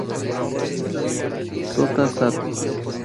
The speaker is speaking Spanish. Sota Sato